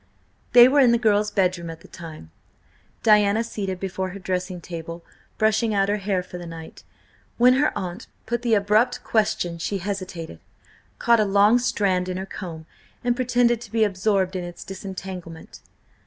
They were in the girl's bedroom at the time, Diana seated before her dressing table, brushing out her hair for the night. When her aunt put the abrupt question she hesitated, caught a long strand in her comb, and pretended to be absorbed in its disentanglement.